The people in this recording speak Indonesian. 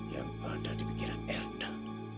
yang ada di pikiran erna